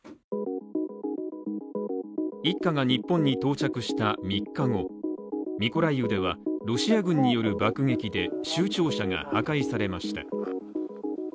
一家が日本に到着した３日後、ミコライウではロシア軍による爆撃で州庁舎が破壊されました。